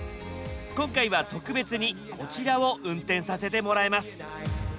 今回は特別にこちらを運転させてもらえます。